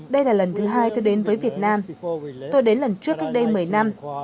đây là lần thứ hai tôi đến với việt nam tôi đến lần trước cách đây mấy năm